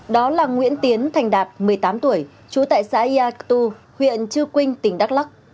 đó là nguyễn tiến thành đạp một mươi tám tuổi chú tại xã yà tù huyện chư quynh tỉnh đắk lắc